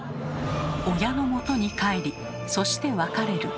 親のもとに帰りそして別れる。